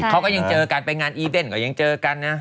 เขาก็ยังเจอกันไปงานอีเวนต์ก็ยังเจอกันนะ